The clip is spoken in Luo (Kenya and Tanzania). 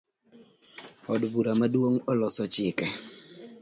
Od bura maduong oloso chike